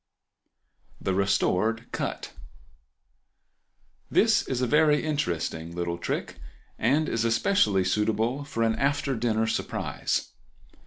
The Restored Cut.—This is a very interesting little trick, and is especially suitable for an after dinner surprise.